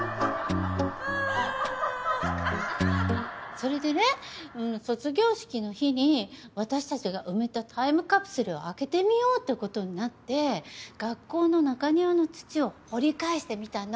それでね卒業式の日に私達が埋めたタイムカプセルを開けてみようってことになって学校の中庭の土を掘り返してみたの。